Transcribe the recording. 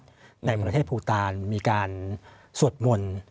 ในเมืองประเทศภูตาลมีการสวดมนตร์